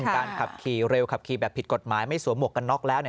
การขับขี่เร็วขับขี่แบบผิดกฎหมายไม่สวมหวกกันน็อกแล้ว